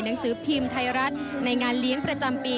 หนังสือพิมพ์ไทยรัฐในงานเลี้ยงประจำปี